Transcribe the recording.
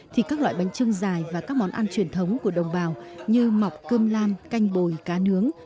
thì các loại bánh trưng dài và các món ăn truyền thống của đồng bào như mọc cơm lam canh bồi cá nướng